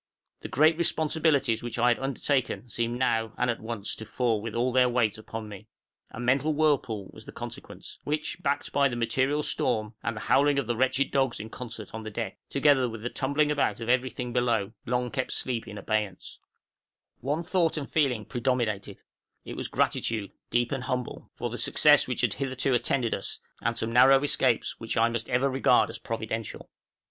The great responsibilities I had undertaken seemed now and at once to fall with all their weight upon me. A mental whirlpool was the consequence, which, backed by the material storm, and the howling of the wretched dogs in concert on deck, together with the tumbling about of every thing below, long kept sleep in abeyance. {HEAVY GALE OFF UPERNIVIK.} One thought and feeling predominated: it was gratitude, deep and humble, for the success which had hitherto attended us, and for some narrow escapes which I must ever regard as Providential.